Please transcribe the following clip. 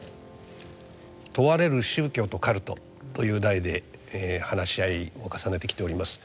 「問われる宗教とカルト」という題で話し合いを重ねてきております。